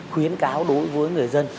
khuyến cáo đối với người dân